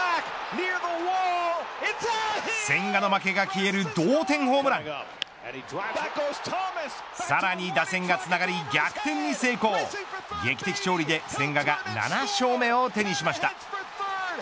千賀の負けが消える同点ホームランさらに打線がつながり逆転に成功劇的勝利で千賀が７勝目を手にしました。